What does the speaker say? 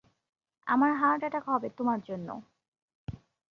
আমার heart attack হবে তোমার জন্য।